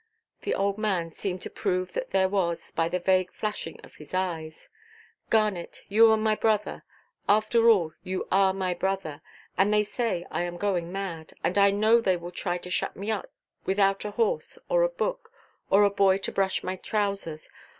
The old man seemed to prove that there was, by the vague flashing of his eyes: "Garnet, you are my brother; after all, you are my brother. And they say I am going mad; and I know they will try to shut me up, without a horse, or a book, or a boy to brush my trousers.